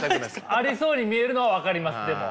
ありそうに見えるのは分かりますでも。